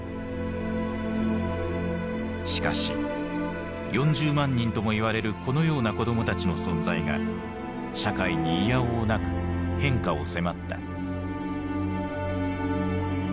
しかし４０万人ともいわれるこのような子どもたちの存在が社会にいやおうなく変化を迫った。